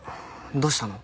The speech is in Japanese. どうしたの？